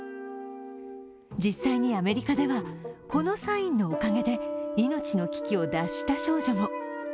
実際にアメリカでは、このサインのおかげで命の危機を脱した少女も。